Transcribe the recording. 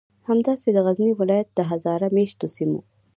همداسې د غزنی ولایت د هزاره میشتو سیمو